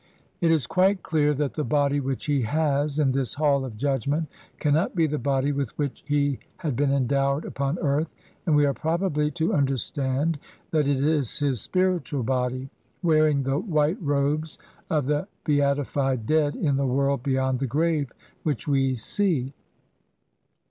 It is quite clear that the body which he has in this Hall of Judgment cannot be the body with which he had been endowed upon earth, and we are probably to understand that it is his spiritual body, wearing the white robes of the beatified dead in the world beyond the grave, which we see.